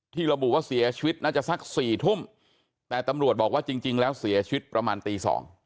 ระบุว่าเสียชีวิตน่าจะสัก๔ทุ่มแต่ตำรวจบอกว่าจริงแล้วเสียชีวิตประมาณตี๒